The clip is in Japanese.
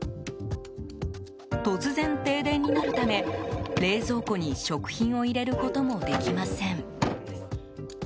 突然、停電になるため冷蔵庫に食品を入れることもできません。